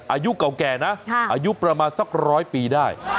อายุเก่าแก่นะอายุประมาณสักร้อยปีได้